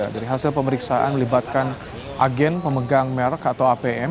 dari hasil pemeriksaan melibatkan agen pemegang merek atau apm